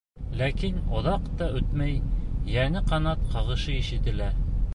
Ләкин оҙаҡ та үтмәй, йәнә ҡанат ҡағышы ишетелә.